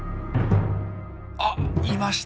あっいました。